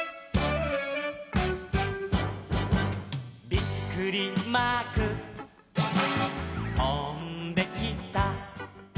「びっくりマークとんできた」